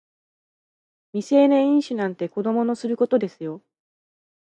未成年飲酒なんて子供のすることですよ